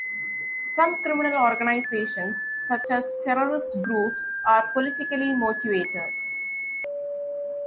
Some criminal organizations, such as terrorist groups, are politically motivated.